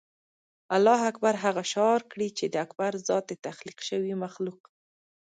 الله اکبر هغه شعار کړي چې د اکبر ذات د تخلیق شوي مخلوق.